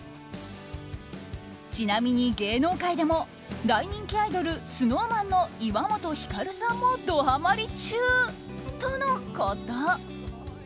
ちなみに芸能界でも大人気アイドルＳｎｏｗＭａｎの岩本照さんもドはまり中とのこと。